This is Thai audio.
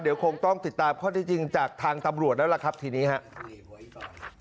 เดี๋ยวคงต้องติดตามข้อที่จริงจากทางตำรวจแล้วล่ะครับทีนี้ครับ